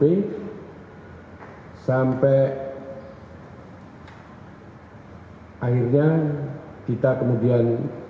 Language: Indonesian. dan kemudian sampai akhirnya kita kemudian